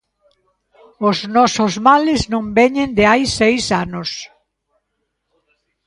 Os nosos males non veñen de hai seis anos.